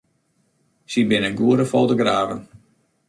Sy binne goede fotografen.